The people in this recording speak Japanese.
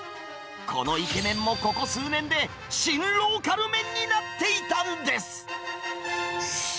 このイケ麺もここ数年で、シン・ローカル麺になっていたんです。